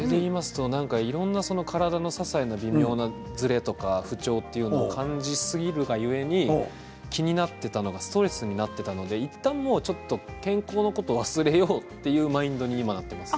それでいうといろんな体の支えの微妙なずれや不調を感じすぎるうえに気になっていたのがストレスになっていたので健康のことを忘れようというマインドになっています